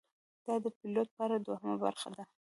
دا ده د پیلوټ په اړه دوهمه برخه: